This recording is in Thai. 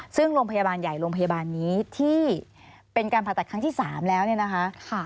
ซึ่งโรงพยาบาลใหญ่โรงพยาบาลนี้ที่เป็นการผ่าตัดครั้งที่๓แล้วเนี่ยนะคะ